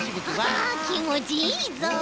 あきもちいいぞう。